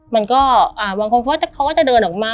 มันก็บางคนเขาก็จะเดินออกมา